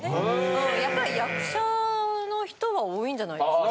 やっぱり役者の人は多いんじゃないですか。